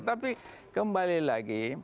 tapi kembali lagi